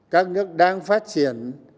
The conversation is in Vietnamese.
các nước đang phát triển